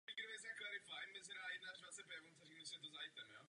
Předtím byla hlavním městem Vídeň.